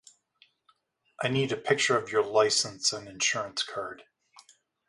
I need a picture of your license and insurance card.